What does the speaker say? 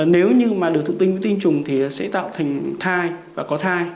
nếu như mà được thụ tinh với tinh trùng thì sẽ tạo thành thai và có thai